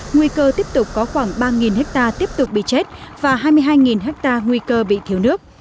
nguy cơ tiếp tục có khoảng ba ha tiếp tục bị chết và hai mươi hai ha nguy cơ bị thiếu nước